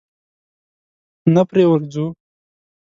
نه پرې ورځو؟